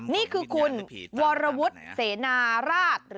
นี่คือคุณวรวทซีราช